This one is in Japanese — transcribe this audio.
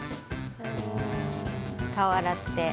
顔洗って。